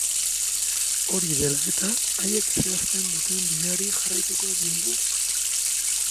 Hori dela eta, haiek zehazten duten bideari jarraituko diogu.